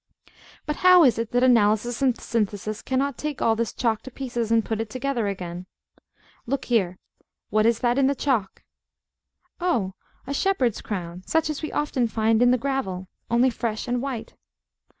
But how is it that Analysis and Synthesis cannot take all this chalk to pieces, and put it together again? Look here; what is that in the chalk? Oh! a shepherd's crown, such as we often find in the gravel, only fresh and white.